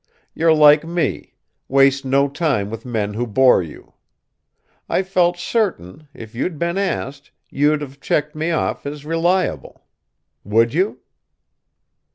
You're like me: waste no time with men who bore you. I felt certain, if you'd been asked, you'd have checked me off as reliable. Would you?"